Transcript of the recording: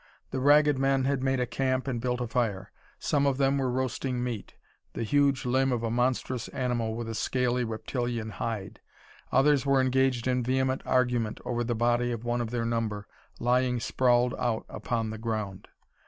The Ragged Men had made a camp and built a fire. Some of them were roasting meat the huge limb of a monstrous animal with a scaly, reptilian hide. Others were engaged in vehement argument over the body of one of their number, lying sprawled out upon the ground.